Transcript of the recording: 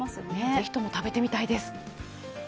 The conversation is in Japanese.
ぜひとも食べてみたいです。